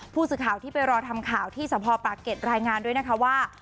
ผู้สื่อข่าวที่ไปรอทำข่าวที่สะพอปากเก็ตรายงานด้วยนะคะว่า